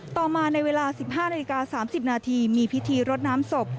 ต่อมาในเวลา๑๕นาฬิกา๓๐นาทีมีพิธีรดน้ำศพ